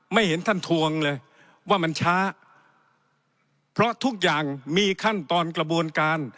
เห็นท่านทวงเลยว่ามันช้าเพราะทุกอย่างมีขั้นตอนกระบวนการ